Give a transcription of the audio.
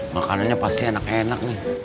makanannya pasti enak enak nih